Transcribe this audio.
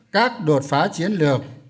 các đột phá chiến lược